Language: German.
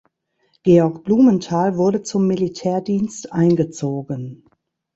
Georg Blumenthal wurde zum Militärdienst eingezogen.